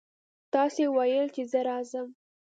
تاسې ویل چې زه راځم.